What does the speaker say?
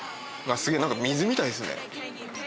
すげえ何か水みたいっすね・